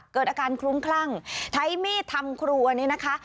เกิดอาการคลุ้มคลั่งใช้มีดทำครัวนี่นะคะ